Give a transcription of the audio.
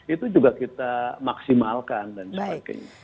itu juga kita maksimalkan dan sebagainya